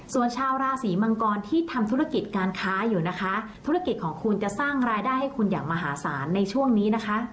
ส่วนชาวราศีมังกรที่ทำธุรกิจการค้าอยู่นะคะธุรกิจของคุณจะสร้างรายได้ให้คุณอย่างมหาศาลในช่วงนี้นะคะ